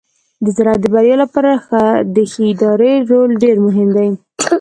د زراعت د بریا لپاره د ښه ادارې رول ډیر مهم دی.